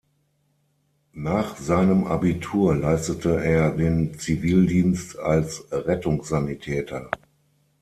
Nach seinem Abitur leistete er den Zivildienst als Rettungssanitäter.